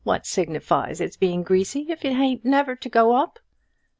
What signifies its being greasy if it hain't never to go hup?"